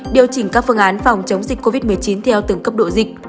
điều chỉnh các phương án phòng chống dịch covid một mươi chín theo từng cấp độ dịch